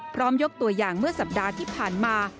ยกตัวอย่างเมื่อสัปดาห์ที่ผ่านมา